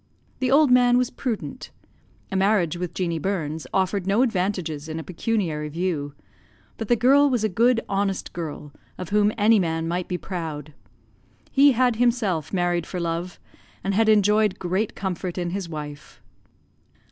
The old man was prudent. A marriage with Jeanie Burns offered no advantages in a pecuniary view. But the girl was a good honest girl, of whom any man might be proud. He had himself married for love, and had enjoyed great comfort in his wife.